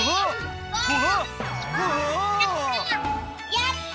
やった！